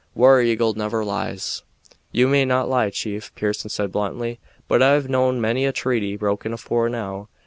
"War Eagle never lies." "You may not lie, chief," Pearson said bluntly, "but I've known many a treaty broken afore now.